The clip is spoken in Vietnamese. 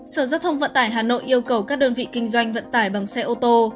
sở giao thông vận tải hà nội yêu cầu các đơn vị kinh doanh vận tải bằng xe ô tô